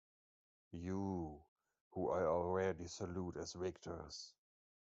You, who I already salute as victors!